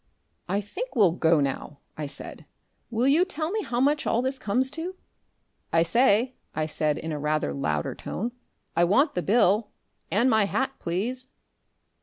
"I think we'll go now," I said. "Will you tell me how much all this comes to?.... "I say," I said, on a rather louder note, "I want the bill; and my hat, please."